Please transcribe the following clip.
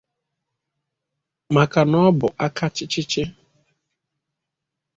maka na ọ bụ aka chịchịchị.